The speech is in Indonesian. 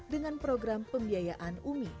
dengan program pembiayaan umi